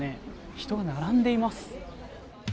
人が並んでいます。